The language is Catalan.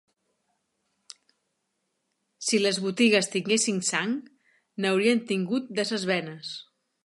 Si les botigues tinguessin sang, n'haurien tingut de ses venes.